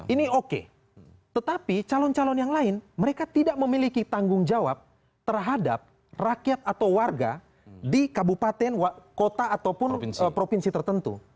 ini oke tetapi calon calon yang lain mereka tidak memiliki tanggung jawab terhadap rakyat atau warga di kabupaten kota ataupun provinsi tertentu